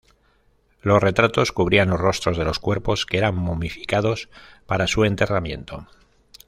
Los retratos cubrían los rostros de los cuerpos que eran momificados para su enterramiento.